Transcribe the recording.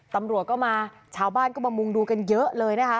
ตำรวจก็มาชาวบ้านก็มามุงดูกันเยอะเลยนะคะ